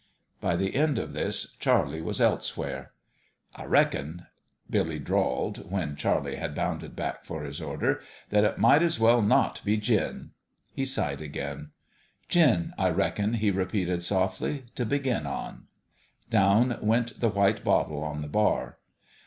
By the end of this Charlie was elsewhere. " I reckon," Billy drawled, when Charlie had bounded back for his order, "that it might 's well as not be gin." He sighed again. " Gin, I reckon," he repeated, softly, " t' begin on." Down went the white bottle on the bar.